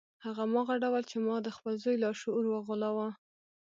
هماغه ډول چې ما د خپل زوی لاشعور وغولاوه